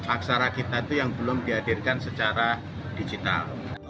aksara kita itu yang belum dihadirkan secara digital